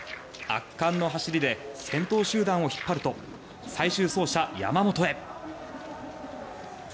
圧巻の走りで先頭集団を引っ張ると最終走者、山本へ。